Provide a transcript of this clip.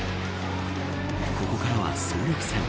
ここからは総力戦。